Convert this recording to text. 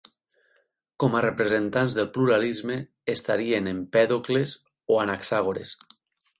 Com a representants del pluralisme, estarien Empèdocles o Anaxàgores.